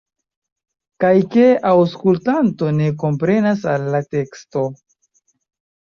Kaj ke aŭskultanto ne komprenas al la teksto?